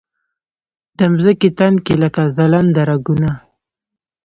د مځکې تن کې لکه ځلنده رګونه